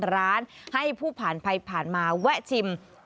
เราอยากปรับให้มันขายดีขึ้นนะคะ